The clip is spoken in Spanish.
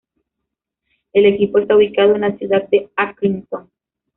El equipo está ubicado en la ciudad de Accrington.